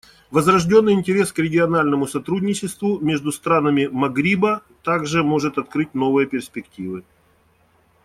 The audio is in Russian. Возрожденный интерес к региональному сотрудничеству между странами Магриба также может открыть новые перспективы.